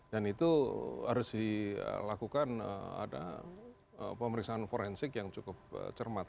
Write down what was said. dan itu harus dilakukan ada pemeriksaan forensik yang cukup cermat